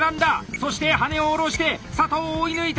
そして羽根を下ろして佐藤追い抜いた！